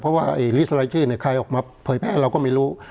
เพราะว่าลิสรายชื่อใครออกมาเผยแพร่เราก็ไม่รู้